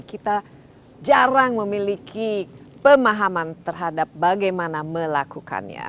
kita jarang memiliki pemahaman terhadap bagaimana melakukannya